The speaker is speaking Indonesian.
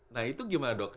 nah itu gimana dok